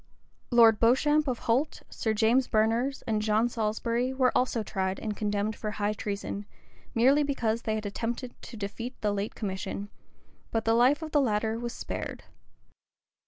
Lord Beauchamp of Holt, Sir James Berners, and John Salisbury, were also tried and condemned for high treason, merely because they had attempted to defeat the late commission: but the life of the latter was spared.